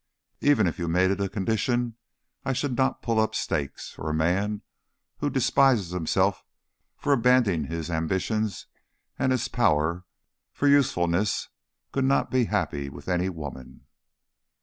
Even if you made it a condition, I should not pull up stakes, for a man who despised himself for abandoning his ambitions and his power for usefulness could not be happy with any woman."